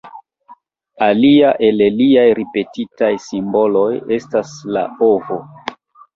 Alia el liaj ripetitaj simboloj estas la ovo.